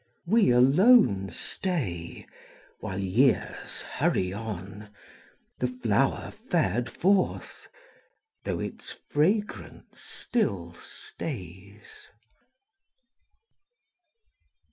We alone stay While years hurry on, The flower fared forth, though its fragrance still stays.